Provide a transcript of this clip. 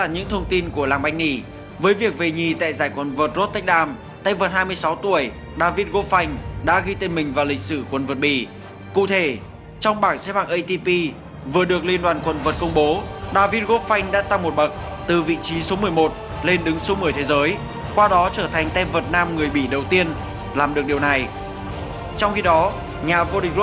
những thông tin vừa rồi cũng đã khép lại bản tin thể thao sáng nay của chúng tôi